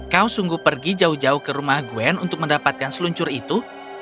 kau sungguh pergi jauh jauh ke rumah gwen untuk mendapatkan seluncur itu